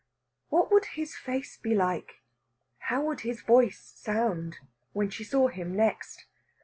What would his face be like how would his voice sound when she saw him next?